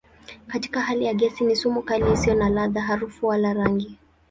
Katika hali ya gesi ni sumu kali isiyo na ladha, harufu wala rangi.